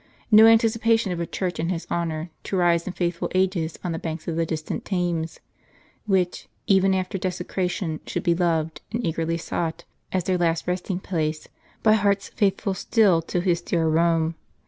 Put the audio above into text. * No anticipation of a church in his honor to rise in faithful ages on the banks of the distant Thames, which, even after desecration, should be loved and eagerly sought as their last resting place, by hearts faithful still to his dear Eome.